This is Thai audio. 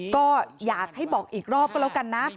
ก็อยากให้บอกอีกรอบก็แล้วกันนะ